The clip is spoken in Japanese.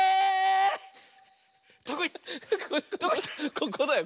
ここだよ